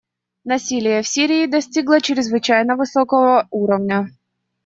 Насилие в Сирии достигло чрезвычайно высокого уровня.